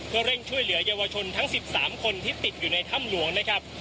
เพื่อเร่งช่วยเหลือเยาวชนทั้ง๑๓คนที่ติดอยู่ในถ้ำหลวงนะครับ